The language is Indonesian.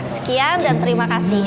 sekian dan terima kasih